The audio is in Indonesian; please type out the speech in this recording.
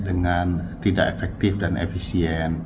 dengan tidak efektif dan efisien